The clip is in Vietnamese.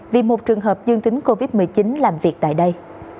vì một trường hợp dương tính covid một mươi chín làm việc tại đây